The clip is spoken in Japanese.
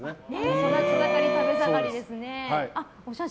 育ち盛り食べ盛りですね。